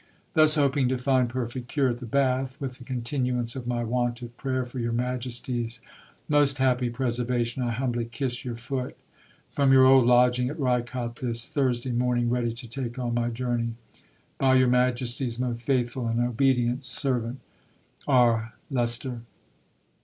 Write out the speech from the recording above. Thus hoping to find perfect cure at the bath, with the continuance of my wonted prayer for your Majesty's most happy preservation, I humbly kiss your foot. From your old lodging at Rycott this Thursday morning ready to take on my journey. By your Majesty's most faithful and obedient servant, R. LEYCESTER."